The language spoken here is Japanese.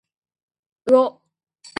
うおっ。